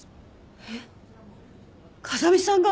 えっ風見さんが！？